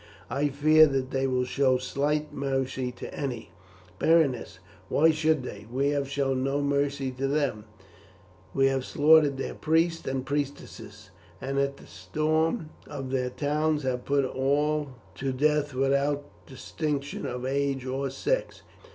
"I fear that they will show slight mercy to any, Berenice; why should they? We have shown no mercy to them; we have slaughtered their priests and priestesses, and at the storm of their towns have put all to death without distinction of age or sex.